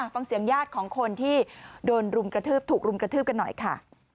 ฟังเสียงญาติของคนที่โดนรุมกระทืบถูกรุมกระทืบกันหน่อยค่ะ